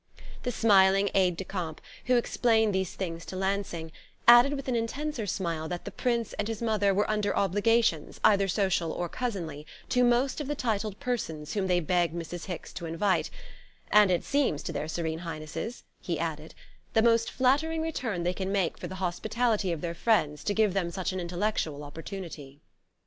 The smiling aide de camp, who explained these things to Lansing, added with an intenser smile that the Prince and his mother were under obligations, either social or cousinly, to most of the titled persons whom they begged Mrs. Hicks to invite; "and it seems to their Serene Highnesses," he added, "the most flattering return they can make for the hospitality of their friends to give them such an intellectual opportunity."